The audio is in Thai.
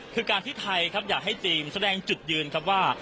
คือการที่ไทยอยากให้ทีมแสดงจุดยืนว่า